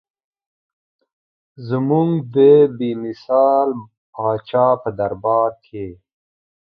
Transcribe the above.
زموږ د بې مثال پاچا په دربار کې.